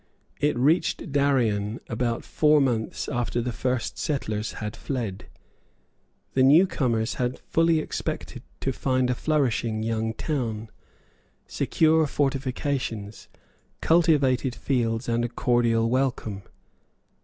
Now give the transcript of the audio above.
It reached Darien about four months after the first settlers had fled. The new comers had fully expected to find a flourishing young town, secure fortifications, cultivated fields, and a cordial welcome.